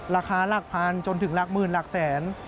ราคาหลักพันจนถึงหลักหมื่นหลักแสน